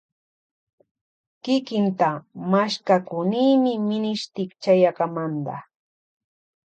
Kikinta mashkakunimi minishti chayakamanta.